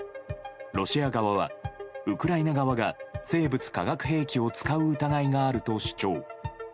ロシア側はウクライナ側が生物・化学兵器を使う疑いがあると主張。